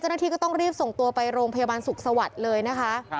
เจ้าหน้าที่ก็ต้องรีบส่งตัวไปโรงพยาบาลสุขสวัสดิ์เลยนะคะ